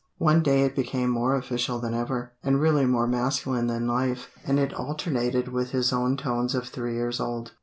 One day it became more official than ever, and really more masculine than life; and it alternated with his own tones of three years old.